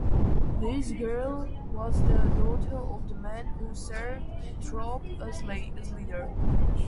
This girl was the daughter of the man who served the troop as leader.